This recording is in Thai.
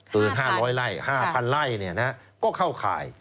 เกิน๕๐๐ไล่๕๐๐๐ไล่ก็เข้าขาย